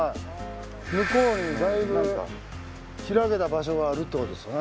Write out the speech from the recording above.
向こうにだいぶ開けた場所があるってことですよね。